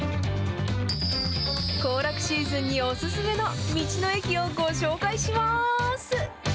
行楽シーズンにお勧めの道の駅をご紹介します。